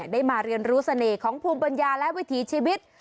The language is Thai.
ได้มาเรียนรู้เสน่ห์ของภูมิปัญญาและวิถีชีวิต